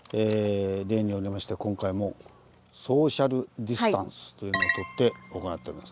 例によりまして今回もソーシャルディスタンスというのをとって行っておりますが。